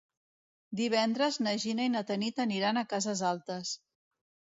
Divendres na Gina i na Tanit aniran a Cases Altes.